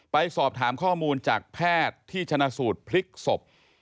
ไปสอบถามข้อมูลจากแพทย์ที่ชนะสูตรพลิกศพ